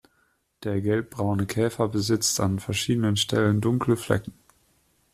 Der gelbbraune Käfer besitzt an verschiedenen Stellen dunkle Flecken.